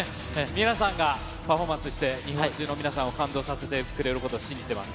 皆さんがパフォーマンスして、日本中の皆さんを感動させてくれることを信じてます。